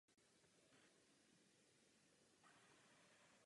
V samotném závodě společnost Walter nevyšla až tak naprázdno.